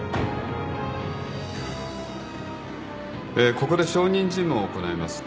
ここで証人尋問を行います。